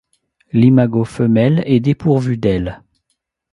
L'imago femelle est dépourvu d'ailes.